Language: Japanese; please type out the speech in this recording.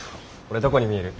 俺どこに見える？